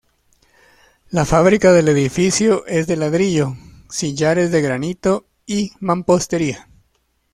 La fábrica del edificio es de ladrillo, sillares de granito y mampostería.